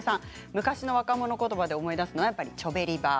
昔の若者言葉で思い出すのはチョベリバ。